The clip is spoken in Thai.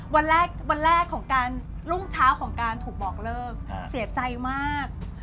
วันแรกวันแรกของการรุ่งเช้าของการถูกบอกเลิกเสียใจมาก